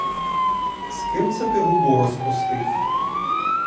З ким це ти губу розпустив?